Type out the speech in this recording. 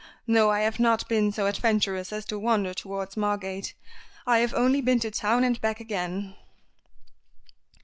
No, I have not been so adventurous as to wander towards Margate. I have only been to town and back again."